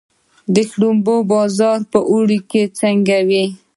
د شړومبو بازار په اوړي کې څنګه وي؟